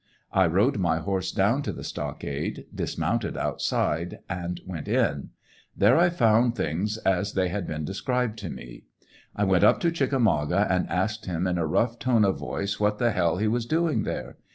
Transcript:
I rode my horse down to the stockade, dismounted outside, and went in. There I found things as they had been described to me. I went up to " Chickamauga" and asked him, in a rough tone of voice, what the hell he was doing there.